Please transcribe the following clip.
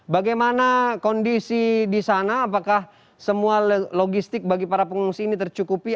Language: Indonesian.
bagaimana kondisi di sana apakah semua logistik bagi para pengungsi ini tercukupi